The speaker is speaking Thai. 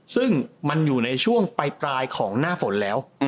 ซึ่งมันอยู่ในช่วงปลายของหน้าฝนแล้ว